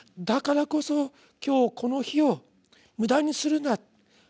だからこそ今日この日を無駄にするな。